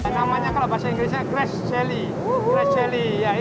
namanya kalau bahasa inggrisnya grass jelly